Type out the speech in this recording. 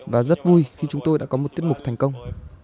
và rất vui khi chúng tôi đã có một tiết mục thành công